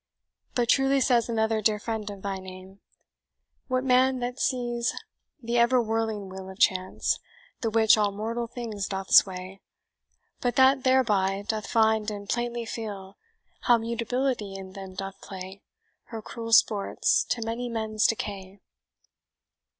But truly says another dear friend of thy name, 'What man that sees the ever whirling wheel Of Chance, the which all mortal things doth sway, But that thereby doth find and plainly feel, How Mutability in them doth play Her cruel sports to many men's decay.'"